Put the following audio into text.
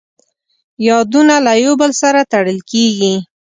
یادونه له یو بل سره تړل کېږي.